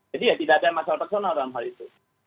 jadi ya tidak ada masalah personal dalam hal itu